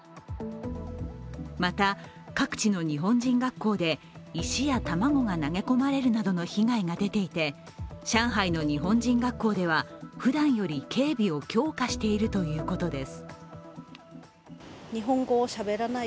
また、各地の日本人学校で石や卵が投げ込まれるなどの被害が出ていて、上海の日本人学校ではふだんより警備を強化しているということです。